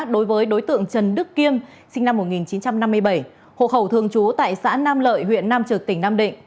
đối với đối tượng trần đức kiêm sinh năm một nghìn chín trăm năm mươi bảy hộ khẩu thường trú tại xã nam lợi huyện nam trực tỉnh nam định